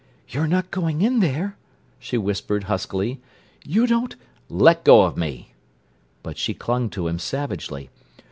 "You're not going in there?", she whispered huskily. "You don't—" "Let go of me!" But she clung to him savagely.